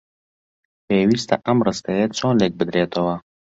پێویستە ئەم ڕستەیە چۆن لێک بدرێتەوە؟